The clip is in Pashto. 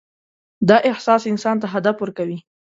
دا احساس انسان ته هدف ورکوي.